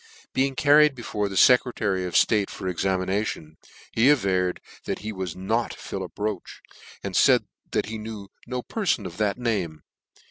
Being carried before the Secretary of ftate for examination, he averred that he was not Philip Roche , and faid that he knew no per fon of that name.